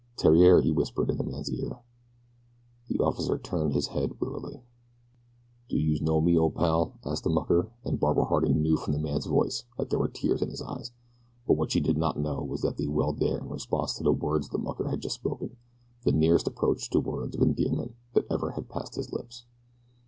"Theriere!" he whispered in the man's ear. The officer turned his head wearily. "Do youse know me, old pal?" asked the mucker, and Barbara Harding knew from the man's voice that there were tears in his eyes; but what she did not know was that they welled there in response to the words the mucker had just spoken the nearest approach to words of endearment that ever had passed his lips.